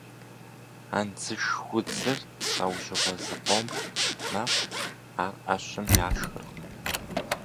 Андзыш удзыр лӏэужьыгъуэ зыкъом мэхъу, ар ӏэщым яшхыркъым.